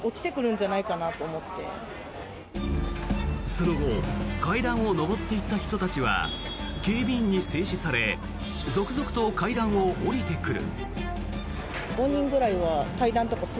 その後階段を上っていった人たちは警備員に制止され続々と階段を下りてくる。